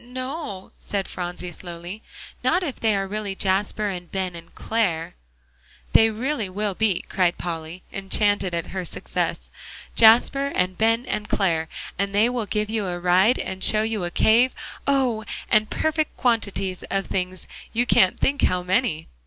"N no," said Phronsie, slowly, "not if they are really Jasper and Ben and Clare." "They really will be," cried Polly, enchanted at her success, "Jasper and Ben and Clare; and they will give you a ride, and show you a cave, oh! and perfect quantities of things; you can't think how many!"